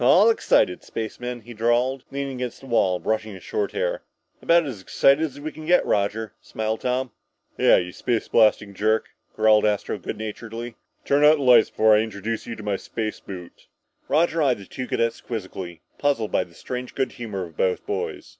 "All excited, spacemen?" he drawled, leaning against the wall, brushing his short hair. "About as excited as we can get, Roger," smiled Tom. "Yeah, you space blasting jerk!" growled Astro good naturedly. "Turn out the lights before I introduce you to my space boot." Roger eyed the two cadets quizzically, puzzled by the strange good humor of both boys.